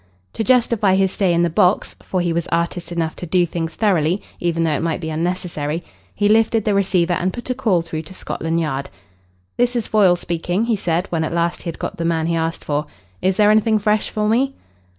To justify his stay in the box for he was artist enough to do things thoroughly even though it might be unnecessary he lifted the receiver and put a call through to Scotland Yard. "This is Foyle speaking," he said when at last he had got the man he asked for. "Is there anything fresh for me?"